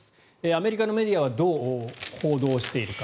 アメリカのメディアはどう報道しているか。